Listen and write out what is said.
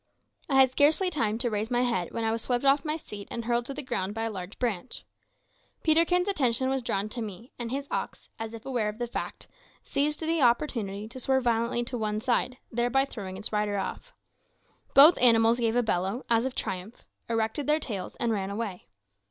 I had scarcely time to raise my head when I was swept off my seat and hurled to the ground by a large branch. Peterkin's attention was drawn to me, and his ox, as if aware of the fact, seized the opportunity to swerve violently to one side, thereby throwing its rider off. Both animals gave a bellow, as of triumph, erected their tails, and ran away.